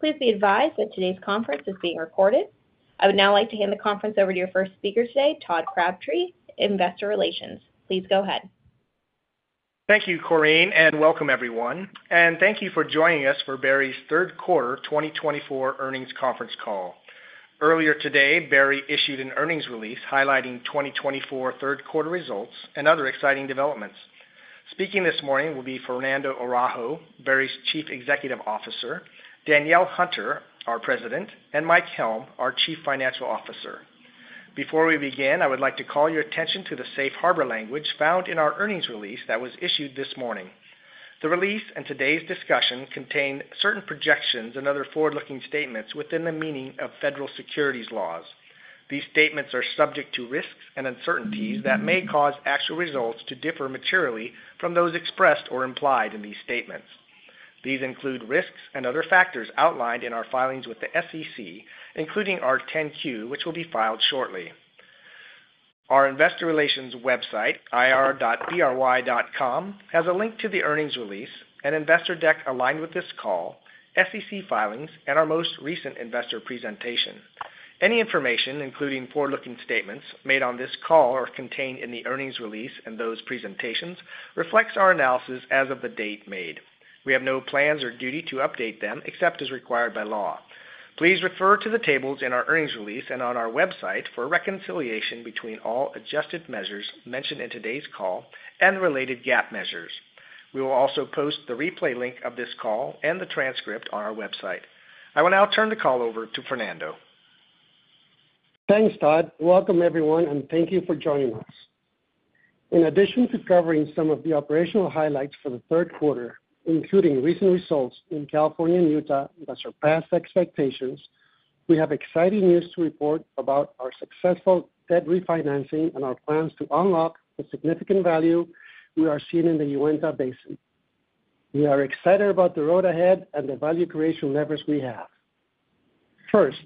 Please be advised that today's conference is being recorded. I would now like to hand the conference over to your first speaker today, Todd Crabtree, Investor Relations. Please go ahead. Thank you, Corrine, and welcome, everyone, and thank you for joining us for Berry's Q3 2024 Earnings Conference Call. Earlier today, Berry issued an earnings release highlighting 2024 Q3 results and other exciting developments. Speaking this morning will be Fernando Araujo, Berry's CEO, Danielle Hunter, our President, and Mike Helm, our CFO. Before we begin, I would like to call your attention to the safe harbor language found in our earnings release that was issued this morning. The release and today's discussion contain certain projections and other forward-looking statements within the meaning of federal securities laws. These statements are subject to risks and uncertainties that may cause actual results to differ materially from those expressed or implied in these statements. These include risks and other factors outlined in our filings with the SEC, including our 10-Q, which will be filed shortly. Our Investor Relations website, ir.berry.com, has a link to the earnings release, an investor deck aligned with this call, SEC filings, and our most recent investor presentation. Any information, including forward-looking statements made on this call or contained in the earnings release and those presentations, reflects our analysis as of the date made. We have no plans or duty to update them except as required by law. Please refer to the tables in our earnings release and on our website for reconciliation between all adjusted measures mentioned in today's call and the related GAAP measures. We will also post the replay link of this call and the transcript on our website. I will now turn the call over to Fernando. Thanks, Todd. Welcome, everyone, and thank you for joining us. In addition to covering some of the operational highlights for the Q3, including recent results in California and Utah that surpassed expectations, we have exciting news to report about our successful debt refinancing and our plans to unlock the significant value we are seeing in the Uinta Basin. We are excited about the road ahead and the value creation levers we have. First,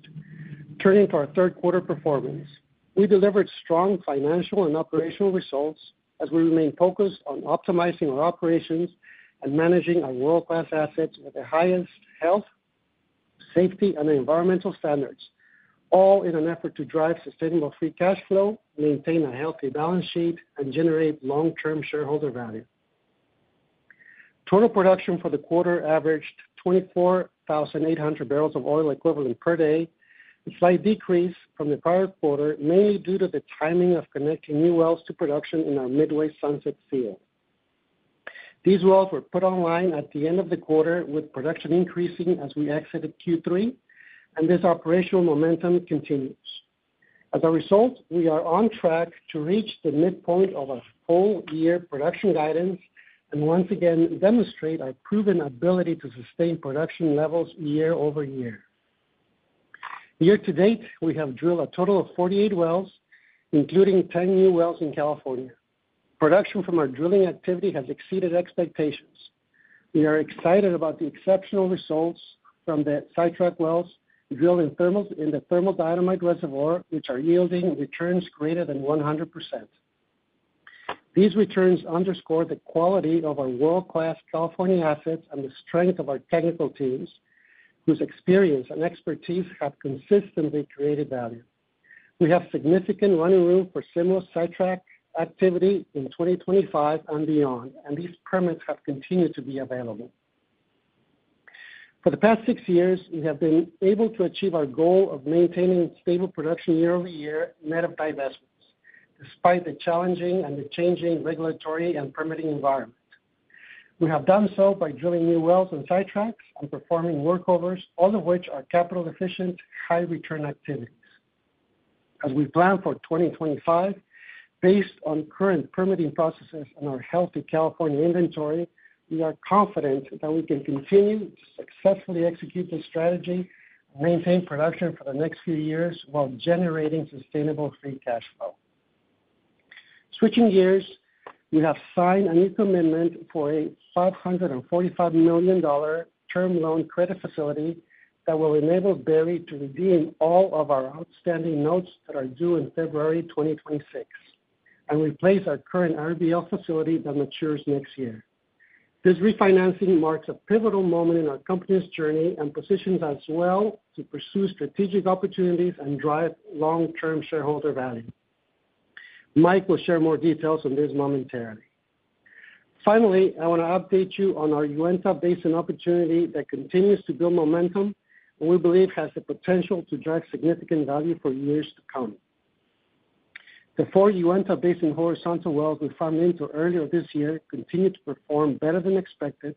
turning to our Q3 performance, we delivered strong financial and operational results as we remain focused on optimizing our operations and managing our world-class assets with the highest health, safety, and environmental standards, all in an effort to drive sustainable free cash flow, maintain a healthy balance sheet, and generate long-term shareholder value. Total production for the quarter averaged 24,800 bbl of oil equivalent per day, a slight decrease from the prior quarter, mainly due to the timing of connecting new wells to production in our Midway-Sunset field. These wells were put online at the end of the quarter, with production increasing as we exited Q3, and this operational momentum continues. As a result, we are on track to reach the midpoint of our full-year production guidance and once again demonstrate our proven ability to sustain production levels year-over-year. Year-to-date, we have drilled a total of 48 wells, including 10 new wells in California. Production from our drilling activity has exceeded expectations. We are excited about the exceptional results from the sidetrack wells drilled in thermal diatomite reservoir, which are yielding returns greater than 100%. These returns underscore the quality of our world-class California assets and the strength of our technical teams, whose experience and expertise have consistently created value. We have significant running room for similar sidetrack activity in 2025 and beyond, and these permits have continued to be available. For the past six years, we have been able to achieve our goal of maintaining stable production year-over-year net of divestments, despite the challenging and the changing regulatory and permitting environment. We have done so by drilling new wells and sidetracks and performing workovers, all of which are capital-efficient, high-return activities. As we plan for 2025, based on current permitting processes and our healthy California inventory, we are confident that we can continue to successfully execute this strategy and maintain production for the next few years while generating sustainable free cash flow. Switching gears, we have signed a new commitment for a $545 million term loan credit facility that will enable Berry to redeem all of our outstanding notes that are due in February 2026 and replace our current RBL facility that matures next year. This refinancing marks a pivotal moment in our company's journey and positions us well to pursue strategic opportunities and drive long-term shareholder value. Mike will share more details on this momentarily. Finally, I want to update you on our Uinta Basin opportunity that continues to build momentum and we believe has the potential to drive significant value for years to come. The four Uinta Basin horizontal wells we farmed into earlier this year continue to perform better than expected,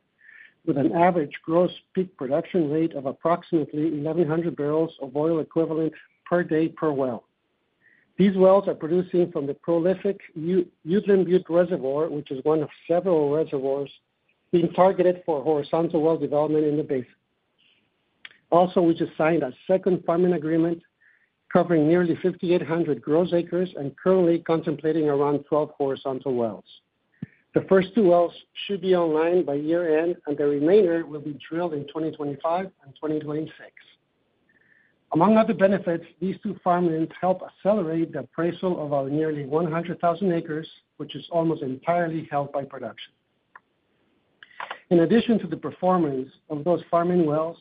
with an average gross peak production rate of approximately 1,100 bbl of oil equivalent per day per well. These wells are producing from the prolific Uteland Butte reservoir, which is one of several reservoirs being targeted for horizontal well development in the basin. Also, we just signed a second farm-in agreement covering nearly 5,800 gross acres and currently contemplating around 12 horizontal wells. The first two wells should be online by year-end, and the remainder will be drilled in 2025 and 2026. Among other benefits, these two farm-ins help accelerate the appraisal of our nearly 100,000 acres, which is almost entirely held by production. In addition to the performance of those farm-in wells,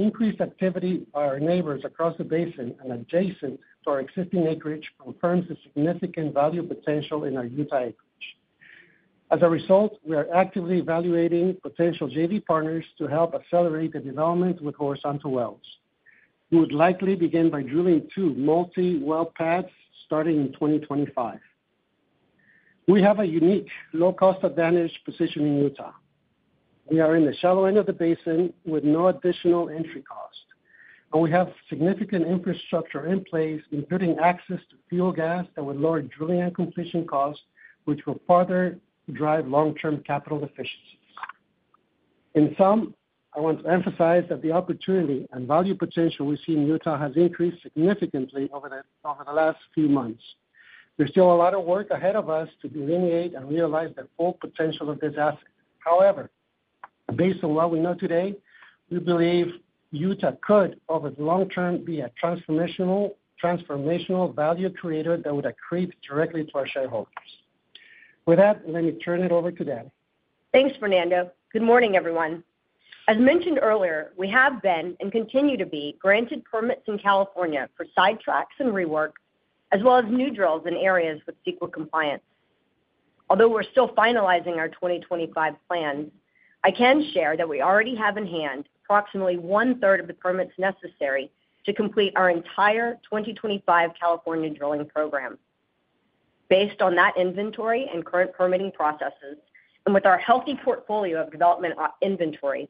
increased activity by our neighbors across the basin and adjacent to our existing acreage confirms the significant value potential in our Utah acreage. As a result, we are actively evaluating potential JV partners to help accelerate the development with horizontal wells. We would likely begin by drilling two multi-well pads starting in 2025. We have a unique low-cost advantage position in Utah. We are in the shallow end of the basin with no additional entry cost, and we have significant infrastructure in place, including access to fuel gas that would lower drilling and completion costs, which will further drive long-term capital efficiencies. In sum, I want to emphasize that the opportunity and value potential we see in Utah has increased significantly over the last few months. There's still a lot of work ahead of us to delineate and realize the full potential of this asset. However, based on what we know today, we believe Utah could, over the long term, be a transformational value creator that would accrete directly to our shareholders. With that, let me turn it over to Danny. Thanks, Fernando. Good morning, everyone. As mentioned earlier, we have been and continue to be granted permits in California for sidetracks and rework, as well as new drills in areas with CEQA compliance. Although we're still finalizing our 2025 plans, I can share that we already have in hand approximately one-third of the permits necessary to complete our entire 2025 California drilling program. Based on that inventory and current permitting processes, and with our healthy portfolio of development inventory,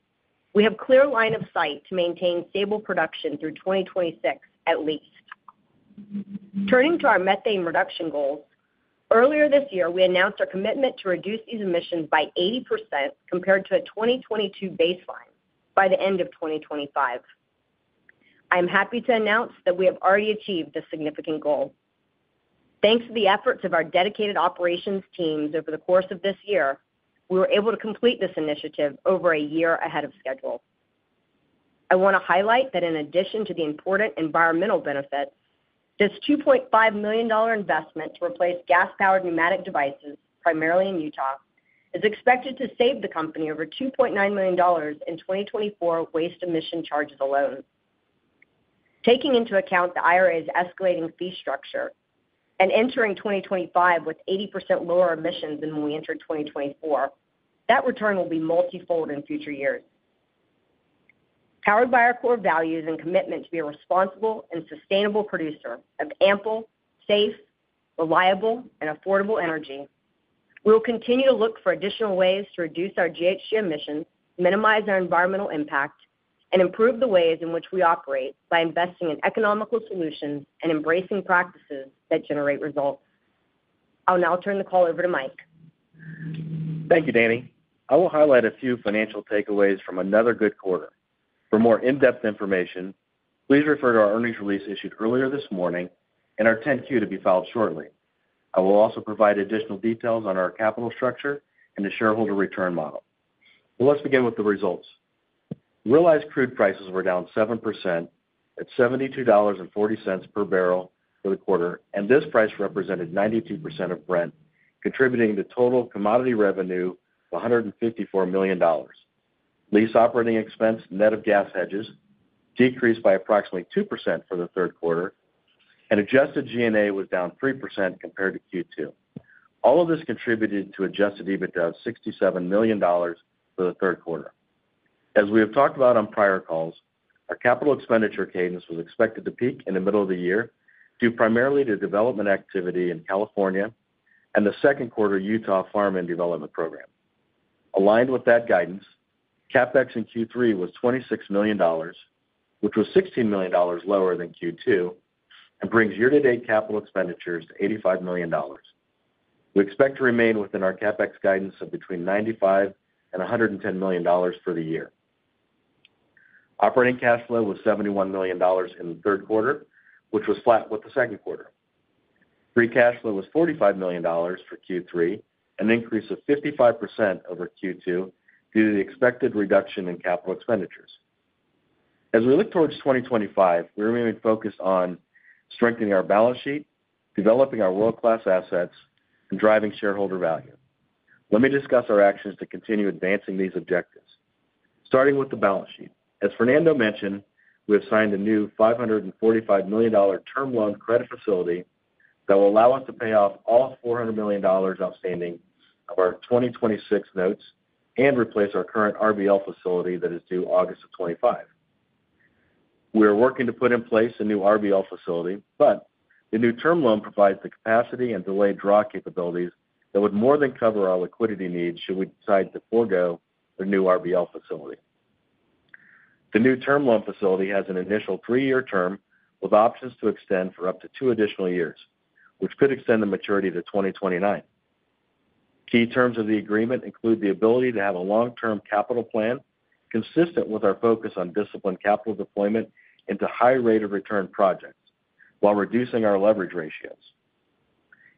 we have a clear line of sight to maintain stable production through 2026 at least. Turning to our methane reduction goals, earlier this year, we announced our commitment to reduce these emissions by 80% compared to a 2022 baseline by the end of 2025. I am happy to announce that we have already achieved this significant goal. Thanks to the efforts of our dedicated operations teams over the course of this year, we were able to complete this initiative over a year ahead of schedule. I want to highlight that in addition to the important environmental benefits, this $2.5 million investment to replace gas-powered pneumatic devices, primarily in Utah, is expected to save the company over $2.9 million in 2024 waste emission charges alone. Taking into account the IRA's escalating fee structure and entering 2025 with 80% lower emissions than when we entered 2024, that return will be multifold in future years. Powered by our core values and commitment to be a responsible and sustainable producer of ample, safe, reliable, and affordable energy, we will continue to look for additional ways to reduce our GHG emissions, minimize our environmental impact, and improve the ways in which we operate by investing in economical solutions and embracing practices that generate results. I'll now turn the call over to Mike. Thank you, Danny. I will highlight a few financial takeaways from another good quarter. For more in-depth information, please refer to our earnings release issued earlier this morning and our 10-Q to be filed shortly. I will also provide additional details on our capital structure and the shareholder return model. Let's begin with the results. Realized crude prices were down 7% at $72.40 per bbl for the quarter, and this price represented 92% of Brent, contributing to total commodity revenue of $154 million. Lease operating expense net of gas hedges decreased by approximately 2% for the Q3, and adjusted G&A was down 3% compared to Q2. All of this contributed to adjusted EBITDA of $67 million for the Q3. As we have talked about on prior calls, our capital expenditure cadence was expected to peak in the middle of the year due primarily to development activity in California and the second quarter Utah farm-in development program. Aligned with that guidance, CapEx in Q3 was $26 million, which was $16 million lower than Q2, and brings year-to-date capital expenditures to $85 million. We expect to remain within our CapEx guidance of between $95 million and $110 million for the year. Operating cash flow was $71 million in the Q3, which was flat with the Q2 Free cash flow was $45 million for Q3, an increase of 55% over Q2 due to the expected reduction in capital expenditures. As we look towards 2025, we remain focused on strengthening our balance sheet, developing our world-class assets, and driving shareholder value. Let me discuss our actions to continue advancing these objectives, starting with the balance sheet. As Fernando mentioned, we have signed a new $545 million term loan credit facility that will allow us to pay off all $400 million outstanding of our 2026 notes and replace our current RBL facility that is due August of 2025. We are working to put in place a new RBL facility, but the new term loan provides the capacity and delayed draw capabilities that would more than cover our liquidity needs should we decide to forgo the new RBL facility. The new term loan facility has an initial three-year term with options to extend for up to two additional years, which could extend the maturity to 2029. Key terms of the agreement include the ability to have a long-term capital plan consistent with our focus on disciplined capital deployment into high rate of return projects while reducing our leverage ratios.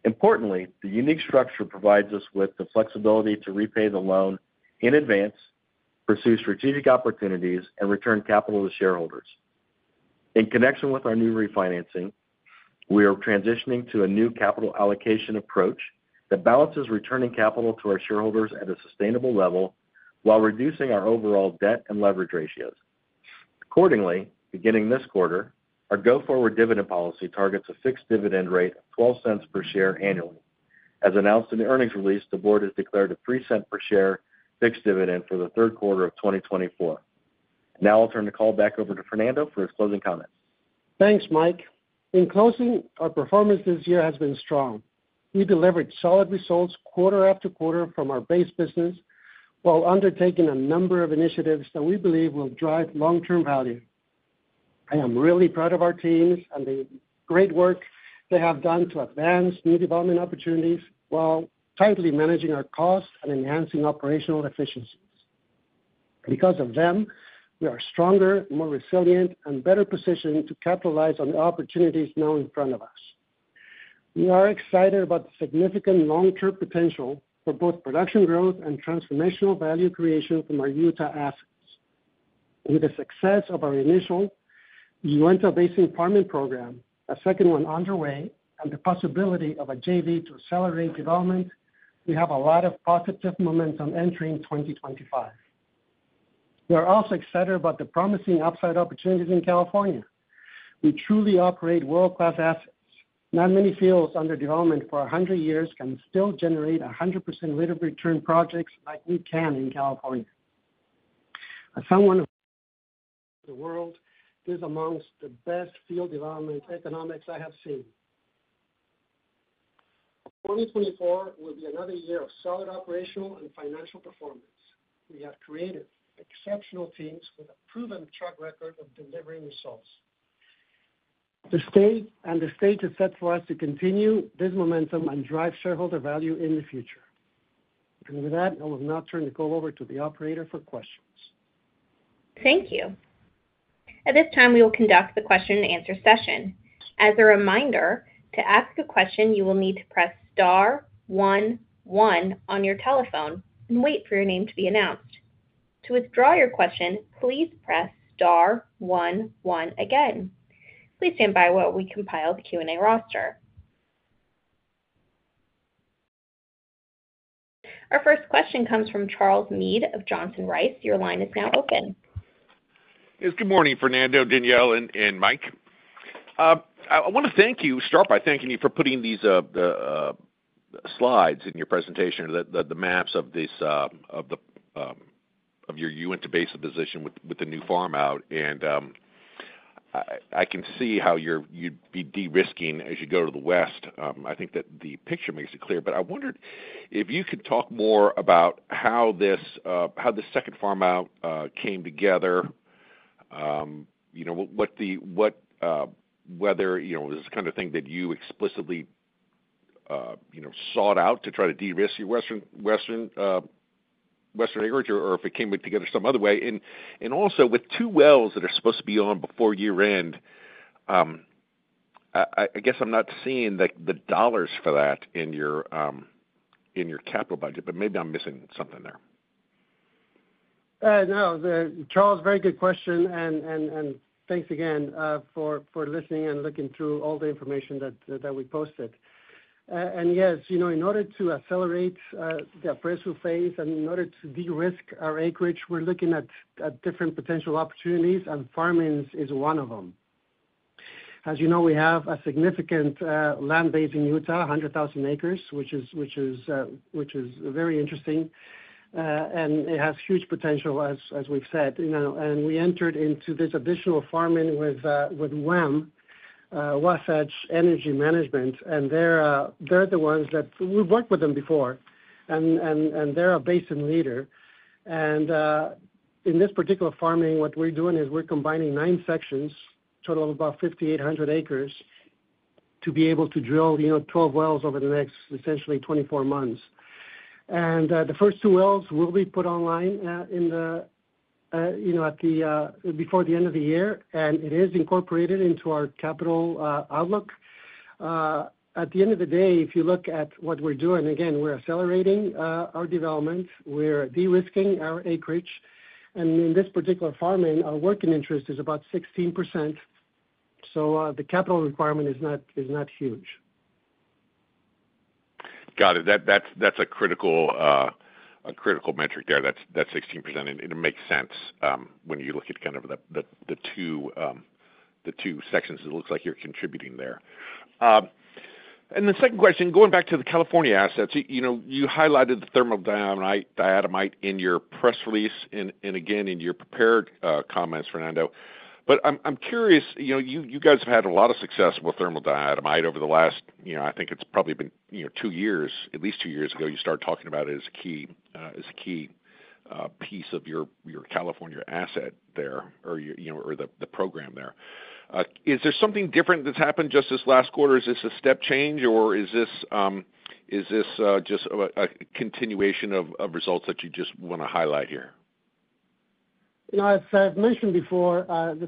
Importantly, the unique structure provides us with the flexibility to repay the loan in advance, pursue strategic opportunities, and return capital to shareholders. In connection with our new refinancing, we are transitioning to a new capital allocation approach that balances returning capital to our shareholders at a sustainable level while reducing our overall debt and leverage ratios. Accordingly, beginning this quarter, our go-forward dividend policy targets a fixed dividend rate of $0.12 per share annually. As announced in the earnings release, the board has declared a $0.03 per share fixed dividend for the Q3 of 2024. Now I'll turn the call back over to Fernando for his closing comments. Thanks, Mike. In closing, our performance this year has been strong. We delivered solid results quarter-after-quarter from our base business while undertaking a number of initiatives that we believe will drive long-term value. I am really proud of our teams and the great work they have done to advance new development opportunities while tightly managing our costs and enhancing operational efficiencies. Because of them, we are stronger, more resilient, and better positioned to capitalize on the opportunities now in front of us. We are excited about the significant long-term potential for both production growth and transformational value creation from our Utah assets. With the success of our initial Uinta Basin farm-in program, a second one underway, and the possibility of a JV to accelerate development, we have a lot of positive momentum on entering 2025. We are also excited about the promising upside opportunities in California. We truly operate world-class assets. Not many fields under development for 100 years can still generate 100% rate of return projects like we can in California. As someone who has been around the world, this is among the best field development economics I have seen. 2024 will be another year of solid operational and financial performance. We have created exceptional teams with a proven track record of delivering results. The stage is set for us to continue this momentum and drive shareholder value in the future, and with that, I will now turn the call over to the operator for questions. Thank you. At this time, we will conduct the question-and-answer session. As a reminder, to ask a question, you will need to press star one one on your telephone and wait for your name to be announced. To withdraw your question, please press star one one again. Please stand by while we compile the Q&A roster. Our first question comes from Charles Meade of Johnson Rice. Your line is now open. Yes, good morning, Fernando, Danielle, and Mike. I want to start by thanking you for putting these slides in your presentation, the maps of your Uinta Basin position with the new farm out, and I can see how you'd be de-risking as you go to the west. I think that the picture makes it clear, but I wondered if you could talk more about how this second farm out came together, whether it was the kind of thing that you explicitly sought out to try to de-risk your western acreage, or if it came together some other way, and also, with two wells that are supposed to be on before year-end, I guess I'm not seeing the dollars for that in your capital budget, but maybe I'm missing something there. No, Charles, very good question and thanks again for listening and looking through all the information that we posted and yes, in order to accelerate the appraisal phase and in order to de-risk our acreage, we're looking at different potential opportunities, and farming is one of them. As you know, we have a significant land base in Utah, 100,000 acres, which is very interesting, and it has huge potential, as we've said and we entered into this additional farming with WEM, Wasatch Energy Management, and they're the ones that we've worked with them before, and they're our basin leader. And in this particular farming, what we're doing is we're combining nine sections, a total of about 5,800 acres, to be able to drill 12 wells over the next, essentially, 24 months. And the first two wells will be put online before the end of the year, and it is incorporated into our capital outlook. At the end of the day, if you look at what we're doing, again, we're accelerating our development. We're de-risking our acreage and in this particular farming, our working interest is about 16%. So the capital requirement is not huge. Got it. That's a critical metric there, that 16% and it makes sense when you look at kind of the two sections. It looks like you're contributing there. And the second question, going back to the California assets, you highlighted thermal diatomite in your press release and again in your prepared comments, Fernando. But I'm curious, you guys have had a lot of success thermal diatomite over the last, I think it's probably been two years, at least two years ago, you started talking about it as a key piece of your California asset there or the program there. Is there something different that's happened just this last quarter? Is this a step change, or is this just a continuation of results that you just want to highlight here? As I've mentioned before,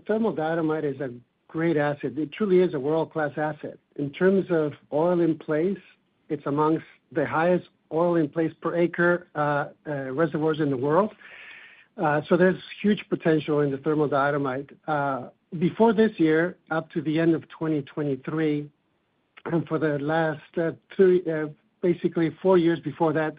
thermal diatomite is a great asset. It truly is a world-class asset. In terms of oil in place, it's among the highest oil in place per acre reservoirs in the world, so there's huge potential in thermal diatomite. before this year, up to the end of 2023, and for the last basically four years before that,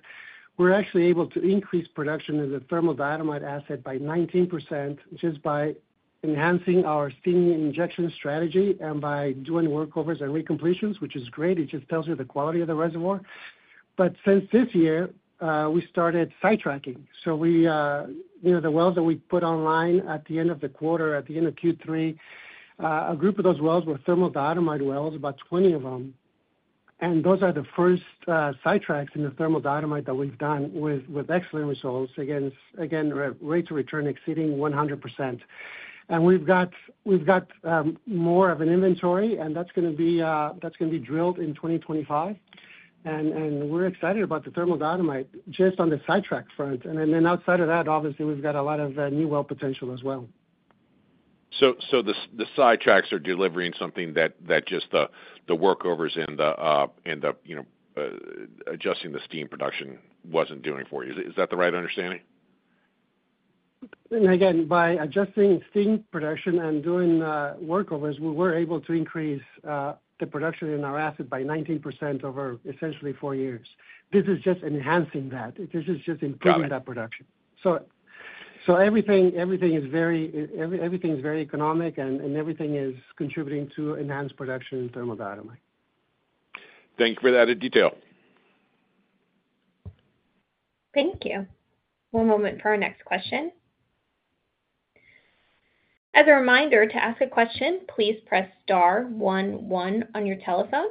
we're actually able to increase production of thermal diatomite asset by 19% just by enhancing our steam injection strategy and by doing workovers and recompletions, which is great. It just tells you the quality of the reservoir, but since this year, we started side-tracking. So the wells that we put online at the end of the quarter, at the end of Q3, a group of those wells thermal diatomite wells, about 20 of them. Those are the first sidetracks in thermal diatomite that we've done with excellent results, again, rates of return exceeding 100% and we've got more of an inventory, and that's going to be drilled in 2025. We're excited about thermal diatomite just on the sidetrack front and then outside of that, obviously, we've got a lot of new well potential as well. So the sidetracks are delivering something that just the workovers and adjusting the steam production wasn't doing for you. Is that the right understanding? And again, by adjusting steam production and doing workovers, we were able to increase the production in our asset by 19% over essentially four years. This is just enhancing that. This is just improving that production. So everything is very economic, and everything is contributing to enhanced production in thermal diatomite. Thank you for that detail. Thank you. One moment for our next question. As a reminder, to ask a question, please press star 11 on your telephone.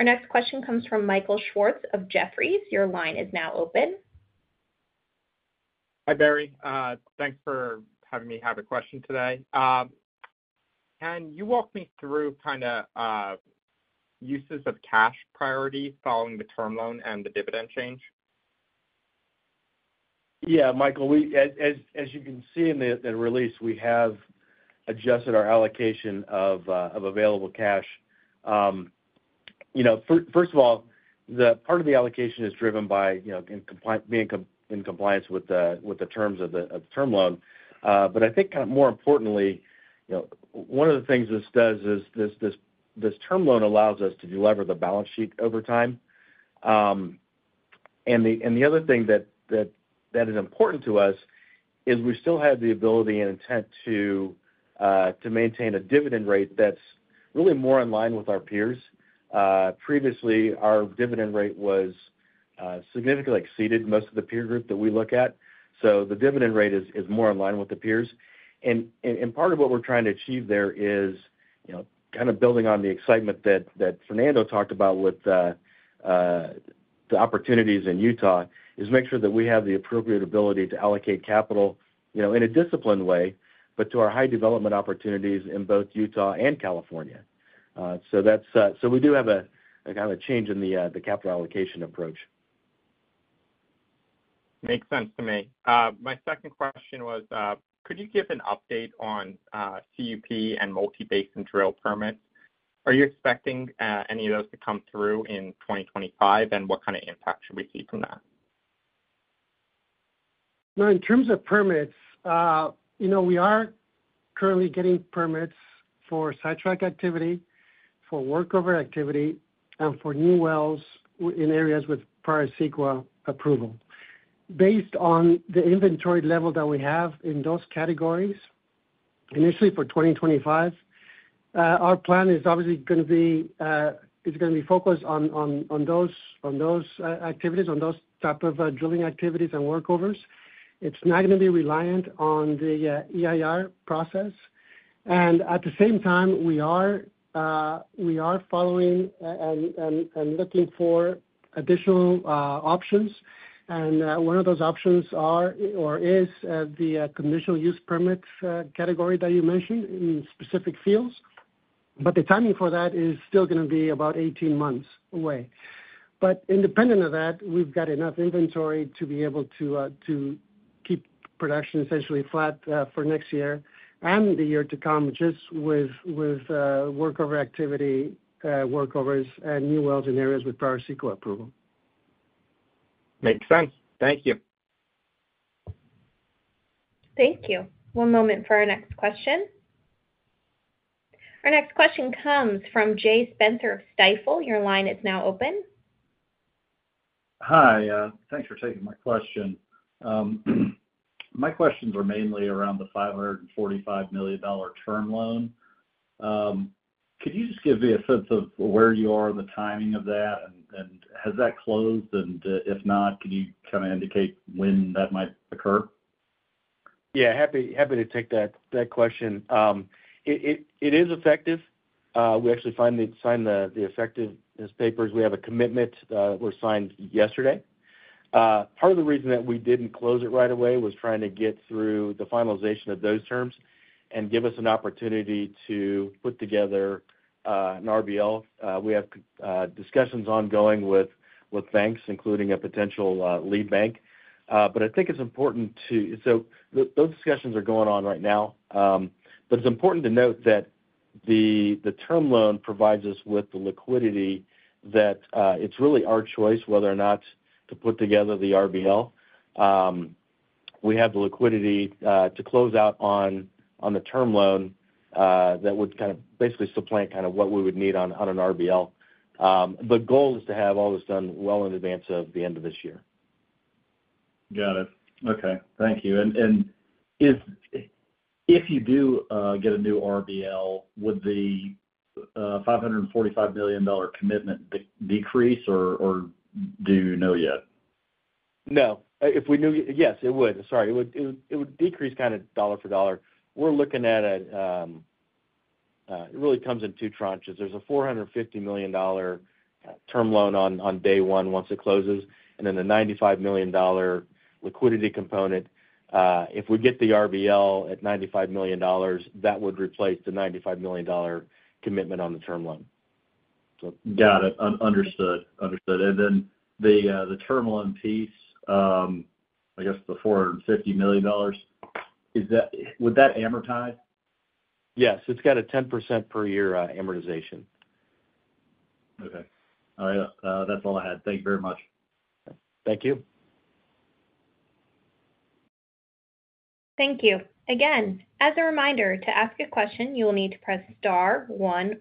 Our next question comes from Michael Schwartz of Jefferies. Your line is now open. Hi, Berry. Thanks for having me have a question today. Can you walk me through kind of uses of cash priority following the term loan and the dividend change? Yeah, Michael, as you can see in the release, we have adjusted our allocation of available cash. First of all, part of the allocation is driven by being in compliance with the terms of the term loan. But I think kind of more importantly, one of the things this does is this term loan allows us to deliver the balance sheet over time. And the other thing that is important to us is we still have the ability and intent to maintain a dividend rate that's really more in line with our peers. Previously, our dividend rate was significantly exceeded most of the peer group that we look at. So the dividend rate is more in line with the peers. And part of what we're trying to achieve there is kind of building on the excitement that Fernando talked about with the opportunities in Utah, is make sure that we have the appropriate ability to allocate capital in a disciplined way, but to our high development opportunities in both Utah and California. So we do have a kind of change in the capital allocation approach. Makes sense to me. My second question was, could you give an update on CUP and multibasin drill permits? Are you expecting any of those to come through in 2025, and what kind of impact should we see from that? In terms of permits, we are currently getting permits for sidetrack activity, for workover activity, and for new wells in areas with prior CEQA approval. Based on the inventory level that we have in those categories, initially for 2025, our plan is obviously going to be focused on those activities, on those types of drilling activities and workovers. It's not going to be reliant on the EIR process. At the same time, we are following and looking for additional options. One of those options is the conditional use permits category that you mentioned in specific fields. The timing for that is still going to be about 18 months away. Independent of that, we've got enough inventory to be able to keep production essentially flat for next year and the year to come just with workover activity, workovers, and new wells in areas with prior CEQA approval. Makes sense. Thank you. Thank you. One moment for our next question. Our next question comes from Jay Spencer of Stifel. Your line is now open. Hi. Thanks for taking my question. My questions are mainly around the $545 million term loan. Could you just give me a sense of where you are on the timing of that, and has that closed? And if not, can you kind of indicate when that might occur? Yeah, happy to take that question. It is effective. We actually signed the effectiveness papers. We have a commitment that was signed yesterday. Part of the reason that we didn't close it right away was trying to get through the finalization of those terms and give us an opportunity to put together an RBL. We have discussions ongoing with banks, including a potential lead bank. But I think it's important. So those discussions are going on right now. But it's important to note that the term loan provides us with the liquidity that it's really our choice whether or not to put together the RBL. We have the liquidity to close out on the term loan that would kind of basically supplant kind of what we would need on an RBL. The goal is to have all this done well in advance of the end of this year. Got it. Okay. Thank you. And if you do get a new RBL, would the $545 million commitment decrease, or do you know yet? No. Yes, it would. Sorry. It would decrease kind of dollar for dollar. We're looking at it really comes in two tranches. There's a $450 million term loan on day one once it closes, and then the $95 million liquidity component. If we get the RBL at $95 million, that would replace the $95 million commitment on the term loan. Got it. Understood. Understood. And then the term loan piece, I guess the $450 million, would that amortize? Yes. It's got a 10% per year amortization. Okay. All right. That's all I had. Thank you very much. Thank you. Thank you. Again, as a reminder, to ask a question, you will need to press star one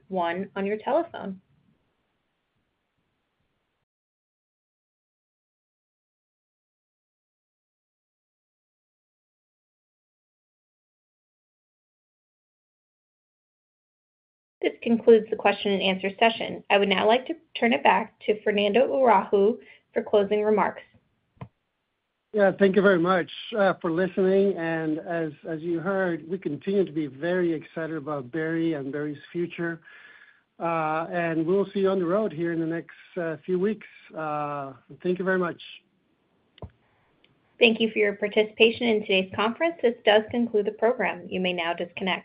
one on your telephone. This concludes the question-and-answer session. I would now like to turn it back to Fernando Araujo for closing remarks. Yeah. Thank you very much for listening. And as you heard, we continue to be very excited about Berry and Berry's future. And we'll see you on the road here in the next few weeks. Thank you very much. Thank you for your participation in today's conference. This does conclude the program. You may now disconnect.